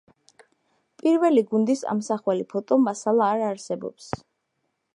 პირველი გუნდის ამსახველი ფოტო–მასალა არ არსებობს.